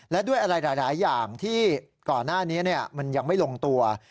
และด้วยอะไรหลายอย่างที่ก่อนหน้านี้มันยังไม่ลงตัว